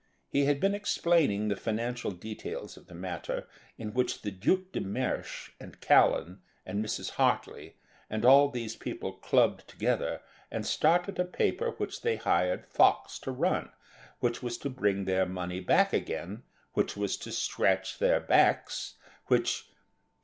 He had been explaining the financial details of the matter, in which the Duc de Mersch and Callan and Mrs. Hartly and all these people clubbed together and started a paper which they hired Fox to run, which was to bring their money back again, which was to scratch their backs, which....